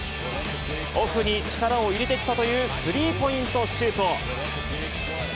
オフに力を入れてきたというスリーポイントシュート。